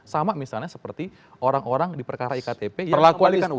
sama misalnya seperti orang orang di perkara iktp yang mengembalikan uang